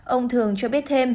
ông thường cho biết thêm